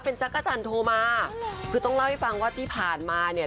เป็นจักรจันทร์โทรมาคือต้องเล่าให้ฟังว่าที่ผ่านมาเนี่ย